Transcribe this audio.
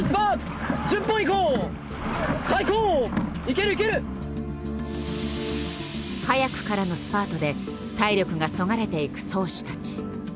行ける！早くからのスパートで体力がそがれていく漕手たち。